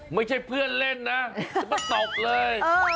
ไม่ใช่เพื่อนเล่นนะจะมาตบเลย